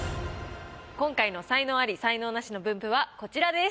今回の才能アリ・才能ナシの分布はこちらです。